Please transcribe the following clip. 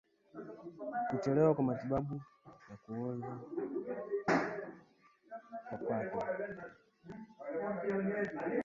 Kuchelewa kwa matibabu ya ugonjwa wa kuoza kwato